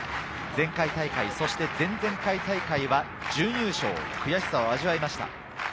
前回大会、そして前々回大会は準優勝、悔しさを味わいました。